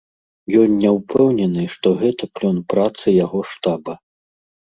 Ён не ўпэўнены, што гэта плён працы яго штаба.